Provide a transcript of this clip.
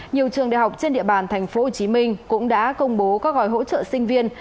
nhiều trường đại học trên địa bàn tp hcm cũng đã công bố các gói hỗ trợ sinh viên